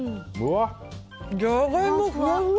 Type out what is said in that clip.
ジャガイモふわふわ。